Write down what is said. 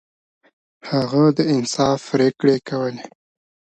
هغه د انصاف پریکړې کولې.